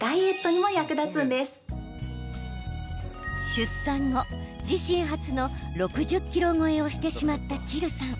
出産後、自身初の６０ｋｇ超えをしてしまったチルさん。